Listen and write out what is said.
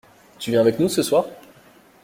Tu viens avec nous ce soir?